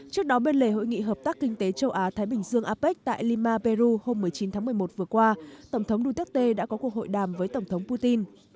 trước đó bên lề hội nghị hợp tác kinh tế châu á thái bình dương apec tại lima peru hôm một mươi chín tháng một mươi một vừa qua tổng thống duterte đã có cuộc hội đàm với tổng thống putin